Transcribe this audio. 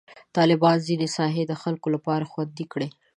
طالبانو ځینې ساحې د خلکو لپاره خوندي کړي.